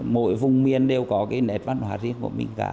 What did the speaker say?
mỗi vùng miền đều có cái nét văn hóa riêng của mình cả